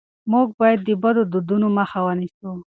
موږ باید د بدو دودونو مخه ونیسو.